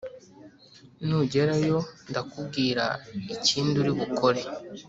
nugerayo ndakubwira ikindi uri bukore.